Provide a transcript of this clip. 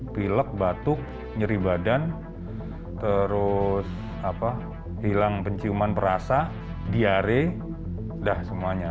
pilek batuk nyeri badan terus hilang penciuman perasa diare dah semuanya